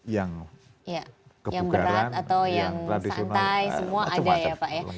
yang berat atau yang santai semua ada ya pak ya